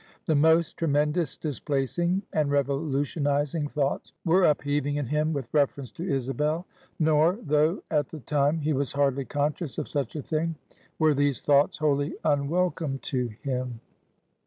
The most tremendous displacing and revolutionizing thoughts were upheaving in him, with reference to Isabel; nor though at the time he was hardly conscious of such a thing were these thoughts wholly unwelcome to him.